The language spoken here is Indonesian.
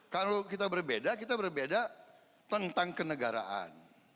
kalau kita berbeda kita berbeda tentang kenegaraan